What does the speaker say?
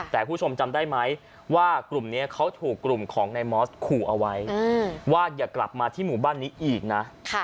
แต่คุณผู้ชมจำได้ไหมว่ากลุ่มนี้เขาถูกกลุ่มของนายมอสขู่เอาไว้ว่าอย่ากลับมาที่หมู่บ้านนี้อีกนะ